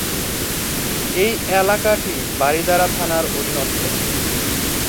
এই এলাকাটি বারিধারা থানার অধীনস্থ।